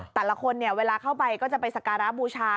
แต่ละคนเวลาเข้าไปก็จะไปศักราบูชา